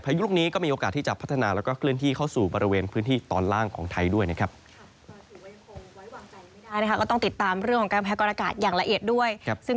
ยุลูกนี้ก็มีโอกาสที่จะพัฒนาแล้วก็เคลื่อนที่เข้าสู่บริเวณพื้นที่ตอนล่างของไทยด้วยนะครับ